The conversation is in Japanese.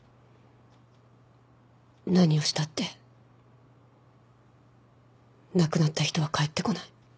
何をしたって亡くなった人は帰ってこない。